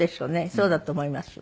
そうだと思います。